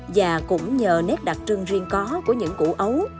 và cũng nhờ nét đặc trưng riêng có của những củ ấu